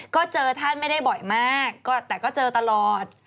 ก็เจอท่านไม่ได้บ่อยมากแต่ก็เจอตลอด